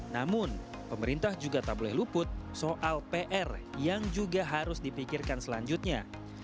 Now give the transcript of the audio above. namun pemerintah juga tak boleh luput soal pr yang juga harus dipikirkan selanjutnya